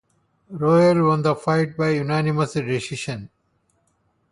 Roel won the fight by unanimous decision.